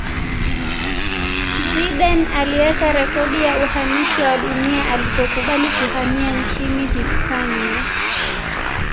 zidane aliweka rekodi ya uhamisho wa dunia alipokubali kuhamia nchini hispania